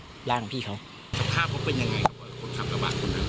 ทรัพย์เป็นยังไงครับ